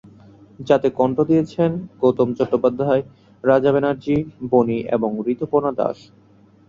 যাতে কন্ঠ দিয়েছেন, গৌতম চট্টোপাধ্যায়, রাজা ব্যানার্জী, বনি এবং ঋতুপর্ণা দাশ।